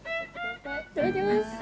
いただきます。